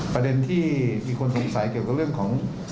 ประเด็นที่มีคนสงสัยเกี่ยวกับเรื่องของ